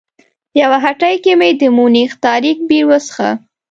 په یوه هټۍ کې مې د مونیخ تاریک بیر وڅښه.